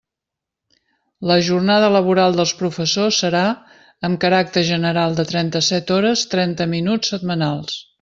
La jornada laboral dels professors serà, amb caràcter general de trenta-set hores trenta minuts setmanals.